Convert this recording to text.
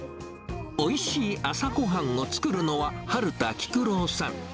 おいしい朝ごはんを作るのは、春田喜久郎さん。